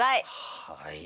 はい。